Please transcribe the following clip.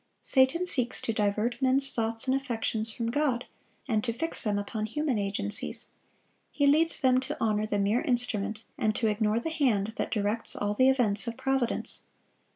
Satan seeks to divert men's thoughts and affections from God, and to fix them upon human agencies; he leads them to honor the mere instrument, and to ignore the Hand that directs all the events of providence.